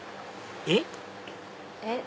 えっ？えっ。